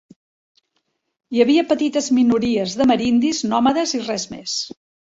Hi havia petites minories d'amerindis nòmades i res més.